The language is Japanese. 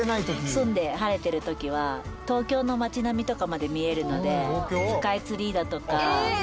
澄んで晴れてる時は東京の街並みとかまで見えるのでスカイツリーだとか東京タワーだとか。